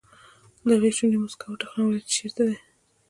د هغه شونډې موسکا وتخنولې چې چېرته دی.